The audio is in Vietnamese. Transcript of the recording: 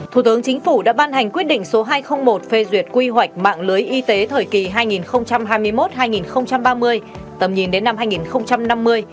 thủ tướng chính phủ đã ban hành quyết định số hai trăm linh một phê duyệt quy hoạch mạng lưới y tế thời kỳ hai nghìn hai mươi một hai nghìn ba mươi tầm nhìn đến năm hai nghìn năm mươi